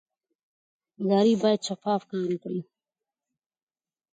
ادارې باید شفاف کار وکړي